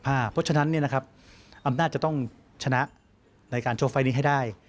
เพราะฉะนั้นอำนาจจะต้องชนะในการโชว์ไฟล์นี้ให้ได้